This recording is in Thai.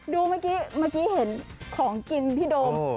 ดูเมื่อกี้เห็นของกินพี่โดม